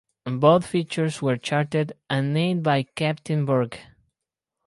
Both features were charted and named by Captain Borge.